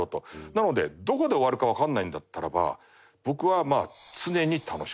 なのでどこで終わるかわからないんだったらば僕は常に楽しくです。